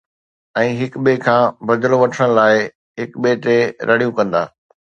۽ هڪ ٻئي کان بدلو وٺڻ لاءِ هڪ ٻئي تي رڙيون ڪندا